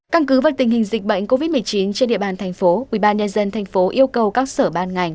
căn cứ vào tình hình dịch bệnh covid một mươi chín trên địa bàn thành phố ubnd tp yêu cầu các sở ban ngành